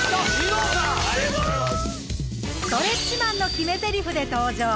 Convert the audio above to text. ストレッチマンの決めゼリフで登場。